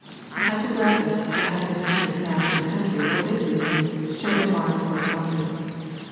A hyetographic and a hypsometric maj) of a country for this reason show a marked correspondence.